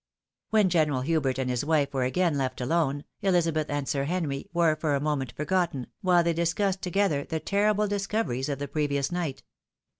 When General Hubert and his wife were again left alone, Elizabeth and Sir Henry were for a moment forgotten, while they discussed together the terrible discoveries' of the previous night.